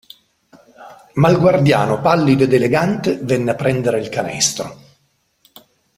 Ma il guardiano pallido ed elegante venne a prendere il canestro.